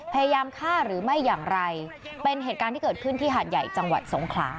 พยายามฆ่าหรือไม่อย่างไรเป็นเหตุการณ์ที่เกิดขึ้นที่หาดใหญ่จังหวัดสงขลา